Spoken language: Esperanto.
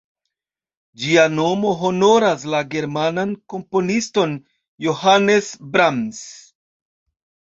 Ĝia nomo honoras la germanan komponiston Johannes Brahms.